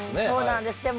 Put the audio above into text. そうなんです。